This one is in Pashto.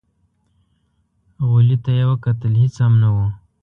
غولي ته يې وکتل، هېڅ هم نه و.